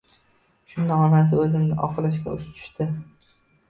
Shunda onasi o‘zini oqlashga tushdi